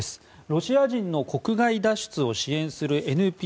ロシア人の国外脱出を支援するＮＰＯＯＫ